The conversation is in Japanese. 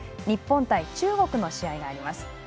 日本対中国の試合があります。